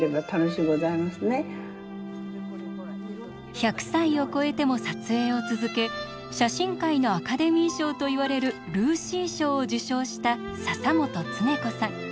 １００歳を越えても撮影を続け写真界のアカデミー賞といわれるルーシー賞を受賞した笹本恒子さん。